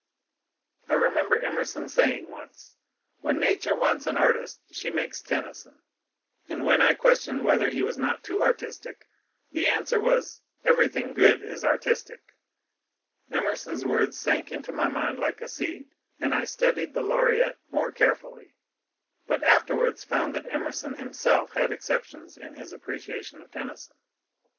I remember Emerson saying once, " When nature wants an artist she makes Tennyson," and when I questioned whether he was not too artistic, the answer was, " Everything good is artistic." Emerson's word sank into my mind like a seed, and I studied the Laureate more carefully, but afterwards found that Emerson himself had exceptions in his appreciation of Tennyson.